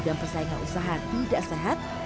dan persaingan usaha tidak sehat